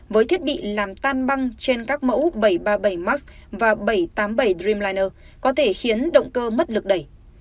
với thiết bị làm tan băng trên các mẫu bảy trăm ba mươi bảy max và bảy trăm tám mươi bảy dream liner có thể khiến động cơ mất lực đẩy